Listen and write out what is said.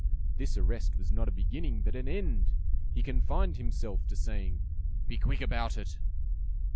This arrest was not a beginning, but an end. He confined himself to saying, "Be quick about it!"